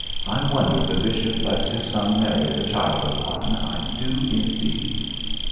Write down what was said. I wonder the bishop lets his son marry the child of one, I do indeed!'